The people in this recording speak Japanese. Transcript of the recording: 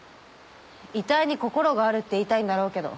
遺体に心があるって言いたいんだろうけど